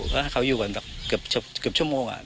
และถ้าเขาอยู่เกือบชั่วโมง